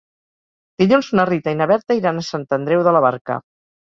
Dilluns na Rita i na Berta iran a Sant Andreu de la Barca.